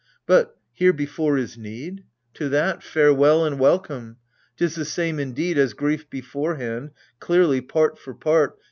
But — hear before is need ? To that, farewell and welcome ! 't is the same, indeed, As grief beforehand : clearly, part for part.